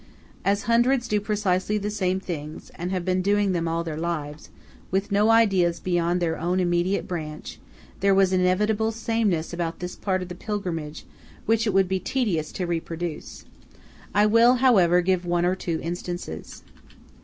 As hundreds do precisely the same things, and have been doing them all their lives, with no ideas beyond their own immediate branch, there was an inevitable sameness about this part of the pilgrimage which it would be tedious to reproduce. I will, however, give one or two instances.